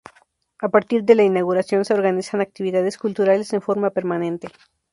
A partir de la inauguración se organizan actividades culturales en forma permanente.